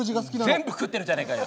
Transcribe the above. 全部食ってるじゃねえかよ。